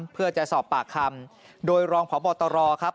เพื่อจะสอบปากคำโดยรองพบตรครับ